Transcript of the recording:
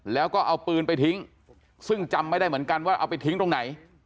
แล้วก็เอาปืนไปทิ้งซึ่งจำไม่ได้เหมือนกันว่าเอาไปทิ้งตรงไหน